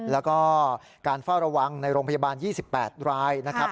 แล้วก็การเฝ้าระวังในโรงพยาบาล๒๘รายนะครับ